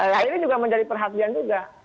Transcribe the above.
nah ini juga menjadi perhatian juga